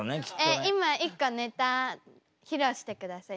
えっ今一個ネタ披露してください。